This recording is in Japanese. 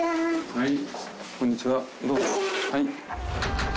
はい。